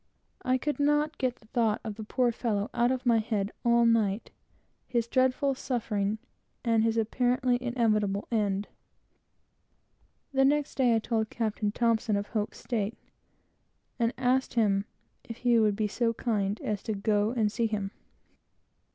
I could not get the thought of the poor fellow out of my head all night; his horrible suffering, and his apparently inevitable, horrible end. The next day I told the captain of Hope's state, and asked him if he would be so kind as to go and see him.